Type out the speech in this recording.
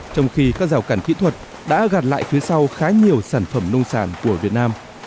trong khi các rào cản kỹ thuật đã gạt lại phía sau khá nhiều sản phẩm nông sản của việt nam